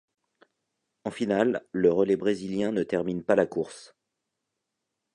En finale, le relais brésilien ne termine pas la course.